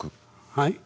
はい？